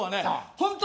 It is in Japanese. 本当